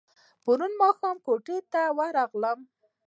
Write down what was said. پرون ماښام کوټې ته راغلم.